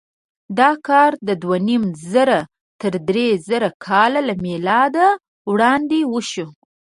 دا کار دوهنیمزره تر درېزره کاله له مېلاده وړاندې وشو.